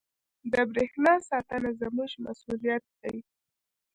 • د برېښنا ساتنه زموږ مسؤلیت دی.